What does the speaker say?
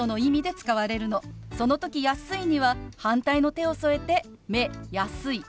その時「安い」には反対の手を添えて「目安い」。